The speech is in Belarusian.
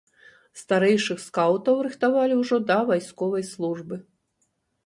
Старэйшых скаўтаў рыхтавалі ўжо да вайсковай службы.